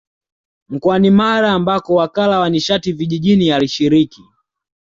Mkoani Mara ambako Wakala wa Nishati Vijijini alishiriki